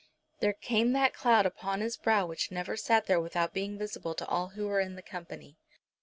There came that cloud upon his brow which never sat there without being visible to all who were in the company.